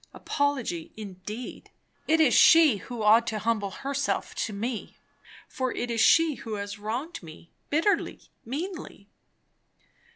Apology indeed! It is she who ought to humble herself to me, for it is she who has wronged me, bitterly, meanly.